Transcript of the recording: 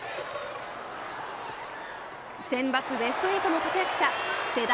センバツベスト８の立役者世代